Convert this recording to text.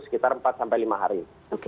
sekitar empat lima hari